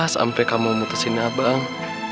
sampai kamu memutuskan abang